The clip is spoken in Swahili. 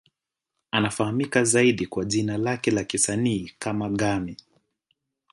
Anafahamika zaidi kwa jina lake la kisanii kama Game.